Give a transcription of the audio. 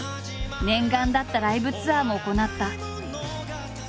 念願だったライブツアーも行った。